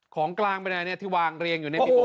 ของกลางเป็นอะไรเนี่ยที่วางเรียงอยู่ในที่ผม